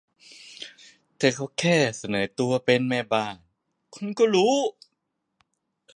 เธอก็แค่เสนอตัวเป็นแม่บ้าน คุณก็รู้